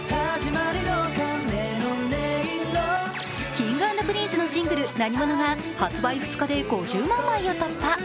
Ｋｉｎｇ＆Ｐｒｉｎｃｅのシングル「なにもの」が発売２日で５０万枚を突破。